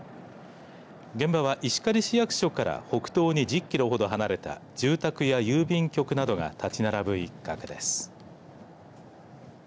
現場は石狩市役所から北東に１０キロほど離れた住宅や郵便局などが立ち並ぶ一角です。